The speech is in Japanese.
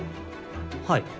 はい。